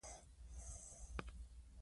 کافي خوب د کولمو او دماغ روغتیا ښه کوي.